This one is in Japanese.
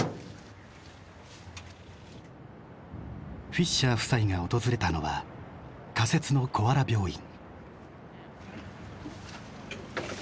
フィッシャー夫妻が訪れたのは仮設のコアラ病院。